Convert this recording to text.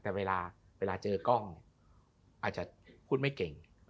แต่เวลาเจอกล้องเนี่ยอาจจะพูดไม่เก่ง